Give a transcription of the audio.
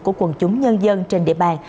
của quần chúng nhân dân trên địa bàn